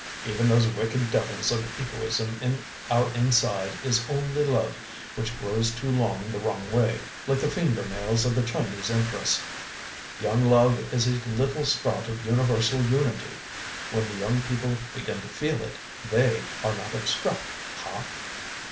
Even those wicked devils of egoism in our inside is only love which grows too long the wrong way, like the finger nails of the Chinese empress. Young love is a little sprout of universal unity. When the young people begin to feel it, THEY are not abstract, ha?